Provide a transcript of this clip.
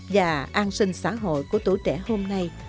và an sinh xã hội của tuổi trẻ hôm nay